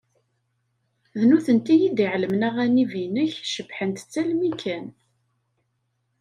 D nutenti i d-iɛellmen aɣanib-inek cebbḥent-tt almi kan.